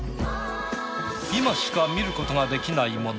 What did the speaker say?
今しか見ることができないもの